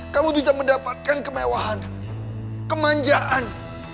kamu bisa mendapatkan kemewahan kemanjaan